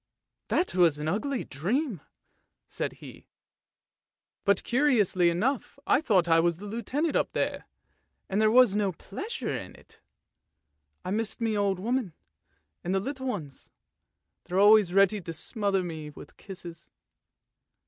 " That was an ugly dream! " said he; " but curiously enough I thought I was the Lieutenant up there, and there was no pleasure in it. I missed my old woman and the little ones; they're always ready to smother me with kisses."